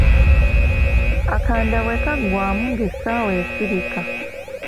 Akanda bwe kaggwamu ng'essaawa esirika.